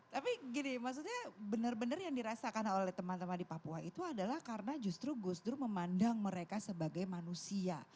tapi gini maksudnya benar benar yang dirasakan oleh teman teman di papua itu adalah karena justru gus dur memandang mereka sebagai manusia